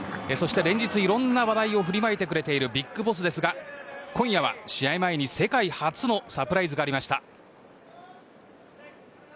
そして、連日いろんな話題を振りまいてくれているＢＩＧＢＯＳＳですが今夜は試合前に世界初のサプライズがありました。